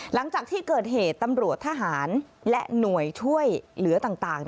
หลังจากที่เกิดเหตุตำรวจทหารและหน่วยช่วยเหลือต่าง